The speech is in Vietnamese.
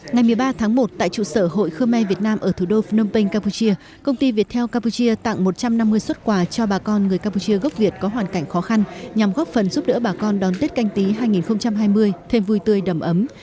ngày một mươi ba tháng một tại trụ sở hội khơ me việt nam ở thủ đô phnom penh campuchia công ty viettel campuchia tặng một trăm năm mươi xuất quà cho bà con người campuchia gốc việt có hoàn cảnh khó khăn nhằm góp phần giúp đỡ bà con đón tết canh tí hai nghìn hai mươi thêm vui tươi đầm ấm